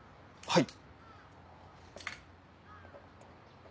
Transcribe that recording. はい。